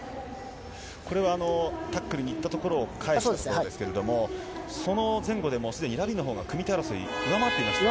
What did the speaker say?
これはタックルにいったところを、返すところですけれども、その前後でもうすでにラビのほうが、組み手争い上回ってましたね。